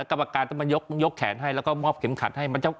กรรมการต้องมายกแขนให้แล้วก็มอบเข็มขัดให้